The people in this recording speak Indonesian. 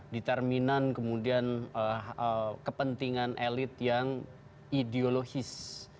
determinan kemudian kepentingan elit yang ideologis